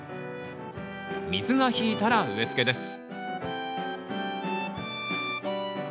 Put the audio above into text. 水が引いたら植えつけです